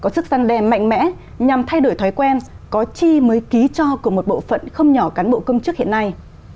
sức gian đe mạnh mẽ nhằm thay đổi thói quen có chi mới ký cho của một bộ phận không nhỏ cán bộ công chức hiện nay